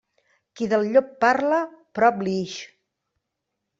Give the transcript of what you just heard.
Qui del llop parla, prop li ix.